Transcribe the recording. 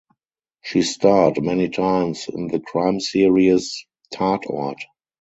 She starred many times in the crime series "Tatort".